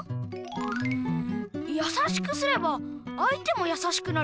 うんやさしくすれば相手もやさしくなる。